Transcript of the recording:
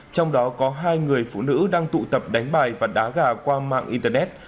trong đó có hai người phụ nữ đang tụ tập đánh bài và đá gà qua mạng internet